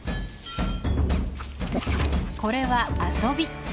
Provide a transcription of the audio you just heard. これは遊び。